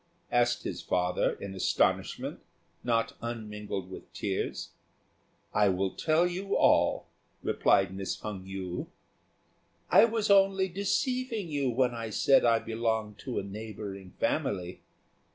asked his father, in astonishment, not unmingled with tears. "I will tell you all," replied Miss Hung yü. "I was only deceiving you when I said I belonged to a neighbouring family.